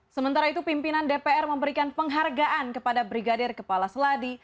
sementara itu pimpinan dpr memberikan penghargaan kepada brigadir kepala seladi